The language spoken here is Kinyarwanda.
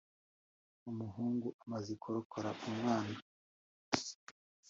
Uwo muhungu amaze kurokora umwana